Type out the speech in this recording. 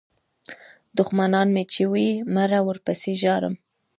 دوښمنان مې چې وي مړه ورپسې ژاړم.